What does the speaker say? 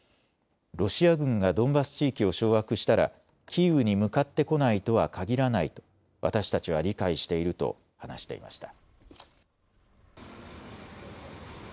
ロシア軍がドンバス地域を掌握したらキーウに向かってこないとは限らないと私たちは理解していると話していました。